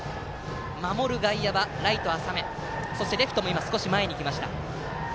守る外野、ライトは浅めそしてレフトも少し前に来ました。